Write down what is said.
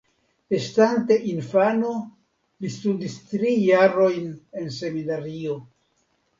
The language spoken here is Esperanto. Estante infano li studis tri jarojn en seminario.